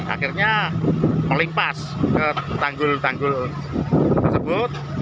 akhirnya melimpas ke tanggul tanggul tersebut